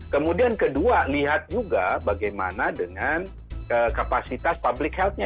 kemudian kedua lihat juga bagaimana dengan kapasitas public health nya